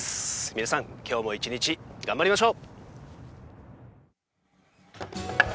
皆さん、今日も一日頑張りましょう！